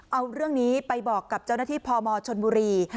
เอาเรื่องนี้ไปบอกกับเจ้าหน้าที่พมชนบุรี